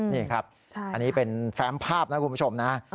นี่ครับอันนี้เป็นแฟมภาพนะคุณผู้ชมนะ